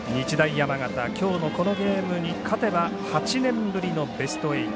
山形、きょうのこのゲームに勝てば８年ぶりのベスト８。